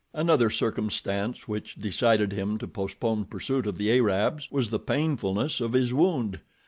Another circumstance which decided him to postpone pursuit of the Arabs was the painfulness of his wound.